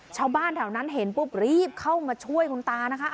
ชาวบ้านแถวนั้นเห็นปุ๊บรีบเข้ามาช่วยคุณตานะคะ